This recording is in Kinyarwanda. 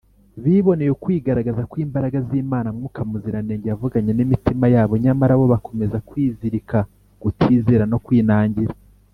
biboneye ukwigaragaza kw’imbaraga z’imana; mwuka muziranenge yavuganye n’imitima yabo; nyamara bo bakomeza kwizirika ku kutizera no kwinangira